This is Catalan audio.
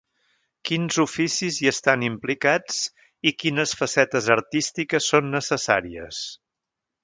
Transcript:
Quins oficis hi estan implicats i quines facetes artístiques són necessàries?